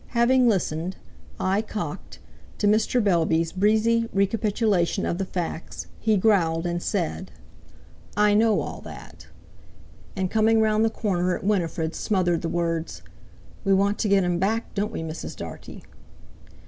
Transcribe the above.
Having listened, eye cocked, to Mr. Bellby's breezy recapitulation of the facts, he growled, and said: "I know all that;" and coming round the corner at Winifred, smothered the words: "We want to get him back, don't we, Mrs. Dartie?"